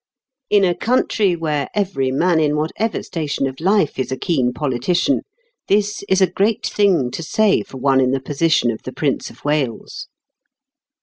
In a country where every man in whatever station of life is a keen politician, this is a great thing to say for one in the position of the Prince of Wales.